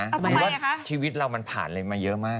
ทำไมล่ะคะหรือว่าชีวิตเรามันผ่านเลยมาเยอะมาก